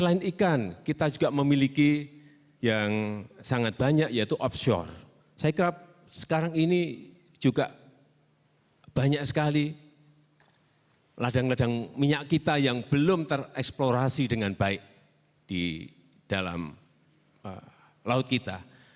ini juga banyak sekali ladang ladang minyak kita yang belum tereksplorasi dengan baik di dalam laut kita